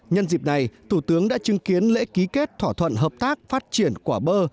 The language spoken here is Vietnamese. nhân dịp này thủ tướng đã chứng kiến lễ ký kết thỏa thuận hợp tác phát triển quả bơ